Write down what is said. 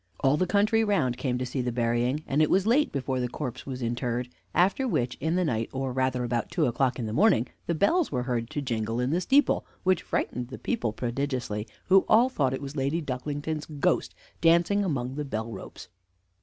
All the country round came to see the burying, and it was late before the corpse was interred. After which, in the night, or rather about two o'clock in the morning, the bells were heard to jingle in the steeple, which frightened the people prodigiously, who all thought it was Lady Ducklington's ghost dancing among the bell ropes.